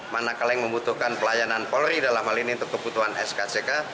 manakala yang membutuhkan pelayanan polri dalam hal ini untuk kebutuhan skck